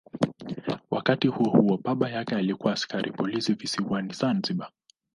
Wakati huo baba yake alikuwa askari polisi visiwani Zanzibar.